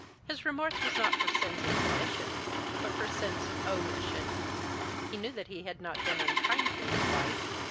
His remorse was not for sins of commission, but for sins of omission. He knew that he had not been unkind to his wife.